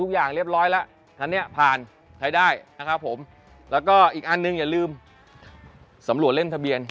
อย่าลืมสำรวจเล่มทะเบียน